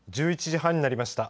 １１時半になりました。